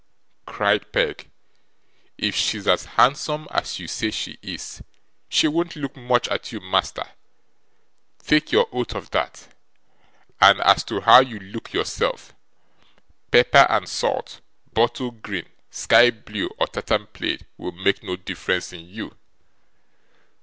cried Peg. 'If she's as handsome as you say she is, she won't look much at you, master, take your oath of that; and as to how you look yourself pepper and salt, bottle green, sky blue, or tartan plaid will make no difference in you.